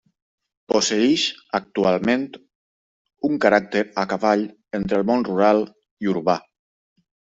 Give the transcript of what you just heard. Posseïx actualment un caràcter a cavall entre el món rural i urbà.